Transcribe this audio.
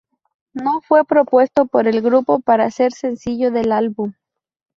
No fue propuesto por el grupo para ser sencillo del álbum.